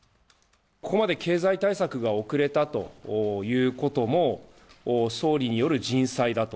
ここまで経済対策が遅れたということも、総理による人災だと。